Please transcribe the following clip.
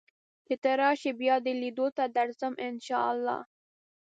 چې ته راشې بیا دې لیدو ته درځم ان شاء الله